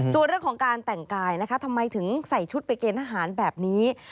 ส่วนเรื่องของการแต่งกายนะคะทำไมถึงใส่ชุดไปเกณฑหารแบบนี้